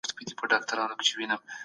د مېوو تازه والی د صحت لپاره ښه دی.